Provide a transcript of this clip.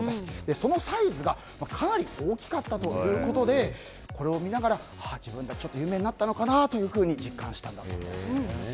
そのサイズがかなり大きかったということでこれを見ながら自分たちは有名になったのかなと実感したんだそうです。